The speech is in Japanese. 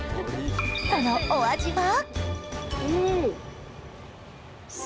そのお味は？